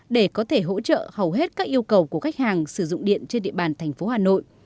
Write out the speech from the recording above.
để có thể hỗ trợ hầu hết các yêu cầu của khách hàng sử dụng điện trên địa bàn thành phố hà nội